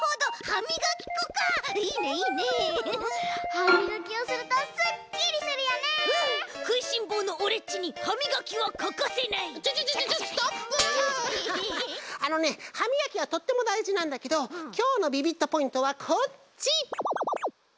はみがきはとってもだいじなんだけどきょうのビビットポイントはこっち！